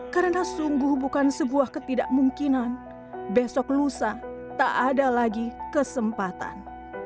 karena sungguh bukan sebuah ketidakmungkinan besok lusa tak ada lagi kesempatan